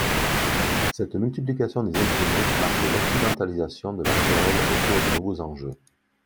Cette multiplication des imprimés marque l'occidentalisation de la querelle autour de nouveaux enjeux.